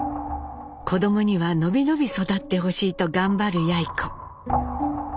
子どもには伸び伸び育ってほしいと頑張るやい子。